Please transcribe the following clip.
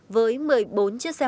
với một mươi bốn chiếc xe